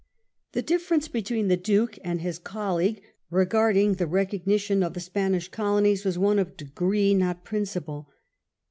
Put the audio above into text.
The difference between the Duke and his colleague regarding the recognition of the Spanish Colonies was one of degree, not principle.